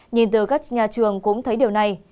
nhìn từ các nhà trường cũng thấy điều này